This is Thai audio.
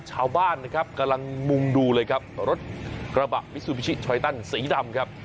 ชาวบ้านนะครับกำลังมุ่งดูเลยครับรถกระบะมิซูบิชิไรตันสีดำครับ